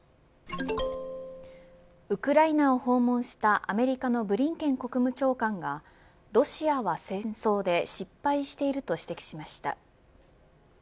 ウクライナを訪問したアメリカのブリンケン国務長官がロシアは戦争で失敗していると指摘しました。